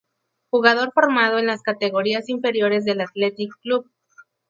Jugador formado en las categorías inferiores del Athletic Club.